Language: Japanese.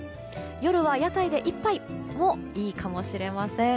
夜は屋台で一杯もいいかもしれません。